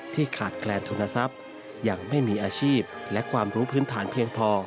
ขาดแคลนทุนทรัพย์ยังไม่มีอาชีพและความรู้พื้นฐานเพียงพอ